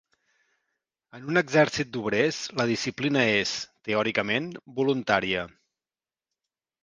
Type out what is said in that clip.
En un exèrcit d'obrers, la disciplina és, teòricament, voluntària.